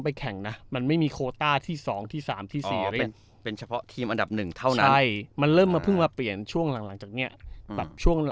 อันดับหนึ่งเท่านั้นใช่มันเริ่มมาเพิ่งมาเปลี่ยนช่วงหลังหลังจากเนี้ยแบบช่วง